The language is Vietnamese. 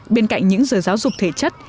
bên cạnh những giờ giáo dục thể chất